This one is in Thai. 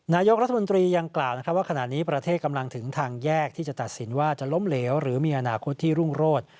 นายกรัฐมนตรียังกล่าวว่าขณะนี้ประเทศกำลังถึงทางแยกที่จะตัดสินว่าจะล้มเหลวหรือมีอนาคตที่รุ่งโรด